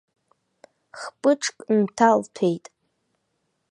Хпыҿк нҭалҭәеит.